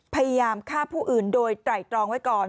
พยายามฆ่าผู้อื่นโดยไตรตรองไว้ก่อน